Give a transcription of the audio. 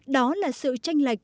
đó là sự tranh lệch